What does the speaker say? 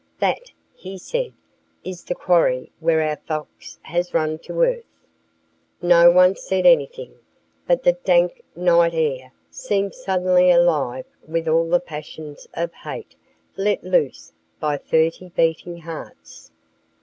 "That," he said, "is the quarry where our fox has run to earth." No one said anything; but the dank night air seemed suddenly alive with all the passions of hate let loose by thirty beating hearts.